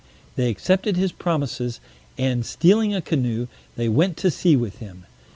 They accepted his promises, and stealing a canoe, they went to sea with him.